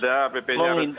nggak ada pp nya harus